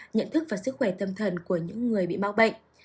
nhận thức và sức khỏe tâm thần của những người bị mắc bệnh